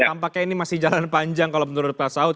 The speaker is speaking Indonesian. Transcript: tampaknya ini masih jalan panjang kalau menurut pak saud